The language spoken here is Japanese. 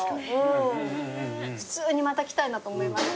普通にまた来たいなと思いました。